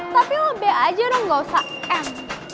tapi lo b aja dong gak usah m